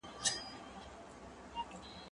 لوبه د زهشوم له خوا کيږي؟